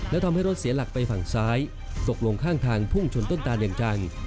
และทำให้รถเสียหลักไปฝั่งซ้ายตกลงข้างทางพุ่งชนต้นตานอย่างจัง